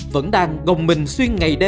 vẫn đang gồng mình xuyên ngày đêm